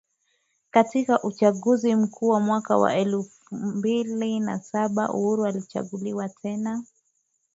Katika uchaguzi mkuu wa mwaka elfu mbili na saba Uhuru alichaguliwa tena